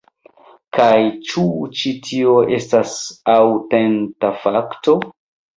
Kaj ĉu ĉi-tio estas aŭtenta fakto?